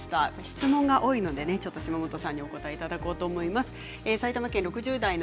質問が多いので島本さんにもお答えいただこうと思います。